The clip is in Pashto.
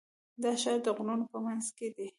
دا ښار د غرونو په منځ کې دی.